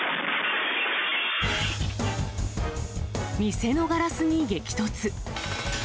店のガラスに激突。